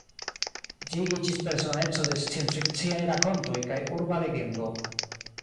Gi iĝis personeco de scienc-fikciaj rakontoj kaj urba legendo.